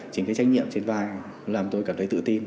chính cái trách nhiệm trên vai làm tôi cảm thấy tự tin